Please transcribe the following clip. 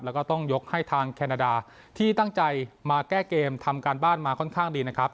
แล้วก็ต้องยกให้ทางแคนาดาที่ตั้งใจมาแก้เกมทำการบ้านมาค่อนข้างดีนะครับ